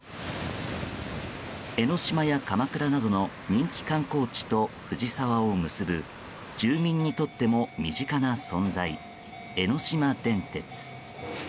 江の島や鎌倉などの人気観光地と藤沢を結ぶ住民にとっても身近な存在江ノ島電鉄。